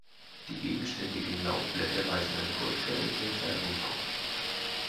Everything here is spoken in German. Die gegenständigen Laubblätter weisen eine goldgelbe Färbung auf.